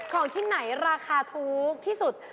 ของชิ้นไหนราคาถูกที่สุด